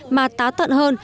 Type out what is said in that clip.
mà tá tận hơn